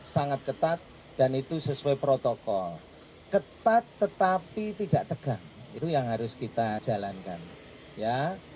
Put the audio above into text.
sangat ketat dan itu sesuai protokol ketat tetapi tidak tegang itu yang harus kita jalankan ya